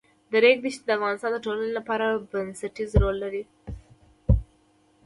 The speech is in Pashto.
د ریګ دښتې د افغانستان د ټولنې لپاره بنسټيز رول لري.